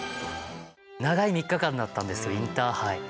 長い３日間だったんですよインターハイ。